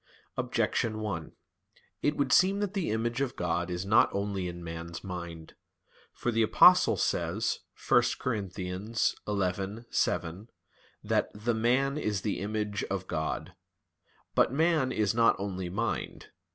Objection 1: It would seem that the image of God is not only in man's mind. For the Apostle says (1 Cor. 11:7) that "the man is the image ... of God." But man is not only mind.